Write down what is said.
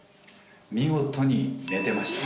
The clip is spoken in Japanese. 見事に寝てました。